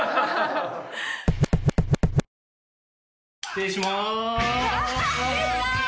失礼しまーす。